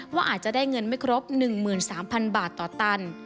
ว่าอาจจะได้เงินไม่ครบ๑๓๐๐๐บาทต่อตัน